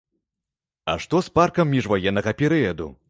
А што з паркам міжваеннага перыяду?